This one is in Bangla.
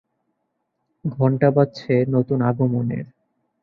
ঘণ্টা বাজছে নতুনের আগমনের।